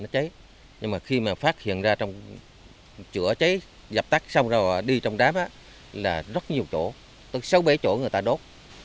cháy là chú nghĩ không thể bán được